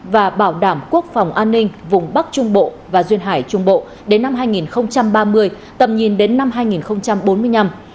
và bảo đảm quốc phòng an ninh vùng bắc trung bộ và duyên hải trung bộ đến năm hai nghìn ba mươi tầm nhìn đến năm hai nghìn bốn mươi năm